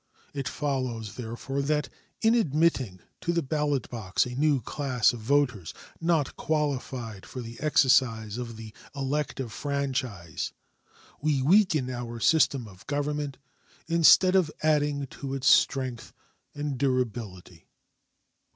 It follows, therefore, that in admitting to the ballot box a new class of voters not qualified for the exercise of the elective franchise we weaken our system of government instead of adding to its strength and durability.